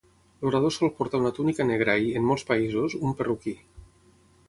L'orador sol portar una túnica negra i, en molts països, un perruquí.